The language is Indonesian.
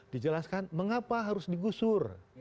dijelaskan mengapa harus dikeluarkan